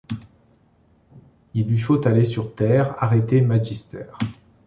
Il lui faut aller sur Terre, arrêter Magister.